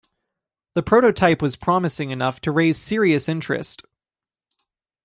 The prototype was promising enough to raise serious interest.